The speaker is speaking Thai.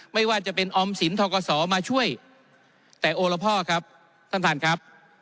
ไม่ว่าจะเป็นออมสินทกศมาช่วยแต่โอละพ่อครับท่านท่านครับ